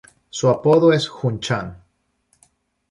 Su apodo es "Jun-chan".